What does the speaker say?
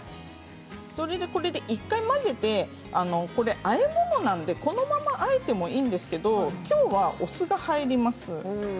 それで、これで１回混ぜてあえ物なので、このままあえてもいいんですけれどきょうは、お酢が入ります。